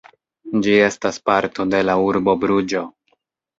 Ĝi estas parto de la urbo Bruĝo.